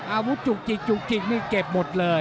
จุกจิกจุกจิกนี่เก็บหมดเลย